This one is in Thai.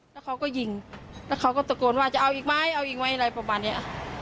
แล้วเขาก็ยิงแล้วเขาก็ตะโกนว่าจะเอาอีกไหมเอาอีกไหมอะไรประมาณนี้